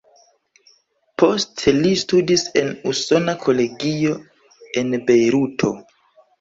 Poste li studis en Usona Kolegio en Bejruto.